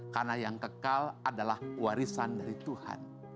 karena yang kekal adalah warisan dari tuhan